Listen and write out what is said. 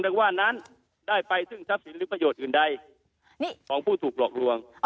ว่านั้นได้ไปซึ่งทรัพย์สินหรือประโยชน์อื่นใดของผู้ถูกหลอกลวง